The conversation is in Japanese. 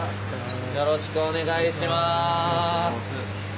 よろしくお願いします。